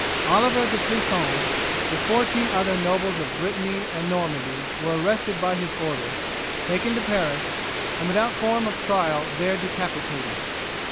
Oliver de Clisson, with fourteen other nobles of Brittany and Normandy, were arrested by his order, taken to Paris, and without form of trial there decapitated.